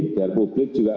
agar publik juga memahami